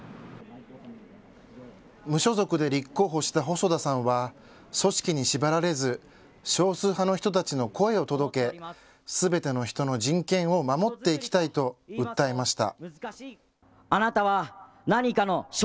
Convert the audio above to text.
無所属で立候補した細田さんは組織に縛られず少数派の人たちの声を届け、すべての人の人権を守っていきたいと訴えました。